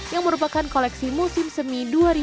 yang merupakan koleksi musim semi dua ribu tujuh belas